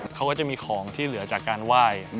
เขาก็จะมีของที่เหลือจากการไหว้